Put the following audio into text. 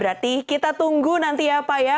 berarti kita tunggu nanti ya pak ya